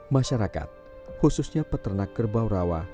masyarakat khususnya peternak kerbau rawa